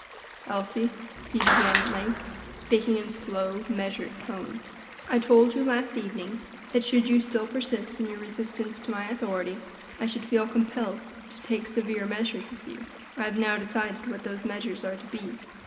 "Elsie," he began at length, speaking in slow, measured tones, "I told you last evening that should you still persist in your resistance to my authority, I should feel compelled to take severe measures with you. I have now decided what those measures are to be.